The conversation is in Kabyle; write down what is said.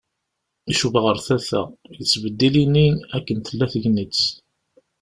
Icuba ar tata. Yettbeddil ini akken tella tegnit.